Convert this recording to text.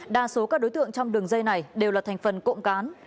đa số các đối tượng trong đường dây này đều là thành phần cộng cán